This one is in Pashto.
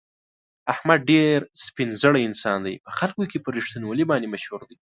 احمد ډېر سپین زړی انسان دی، په خلکو کې په رښتینولي باندې مشهور دی.